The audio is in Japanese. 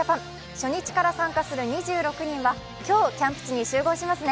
初日から参加する２６人は今日、キャンプ地に集合しますね。